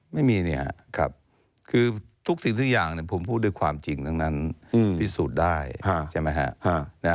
ไม่มีเนี่ยครับคือทุกสิ่งทุกอย่างผมพูดด้วยความจริงทั้งนั้นพิสูจน์ได้ใช่ไหมฮะ